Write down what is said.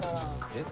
えっ？